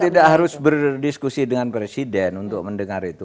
saya tidak harus berdiskusi dengan presiden untuk mendengar itu